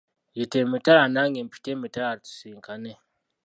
Yita emitala nange mpite emitala tusisinkane.